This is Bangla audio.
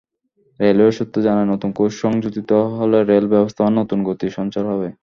রেলওয়ে সূত্র জানায়, নতুন কোচ সংযোজিত হলে রেল ব্যবস্থাপনায় নতুন গতি সঞ্চার হবে।